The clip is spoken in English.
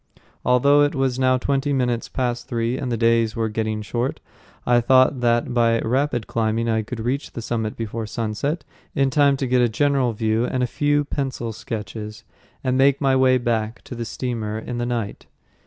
Although it was now twenty minutes past three and the days were getting short, I thought that by rapid climbing I could reach the summit before sunset, in time to get a general view and a few pencil sketches, and make my way back to the steamer in the night.